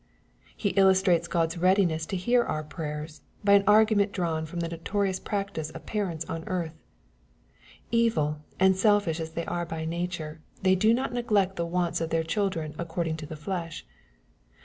He illustrates God's readiness to hear our prayers, by an argument drawn from the notorious practice of parents on earth. " Evil" and selfish as they are by nature, they do not neglect the wants of their children according to the flesh.